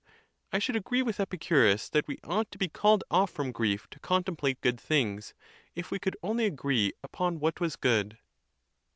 I should agree with Epicurus that we ought to be called off from grief to contemplate good things, if we could only agree upon what was good.